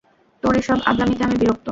তোর এসব আব্লামিতে আমি বিরক্ত!